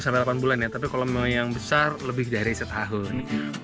sampai delapan bulan ya tapi kalau yang besar lebih dari setahun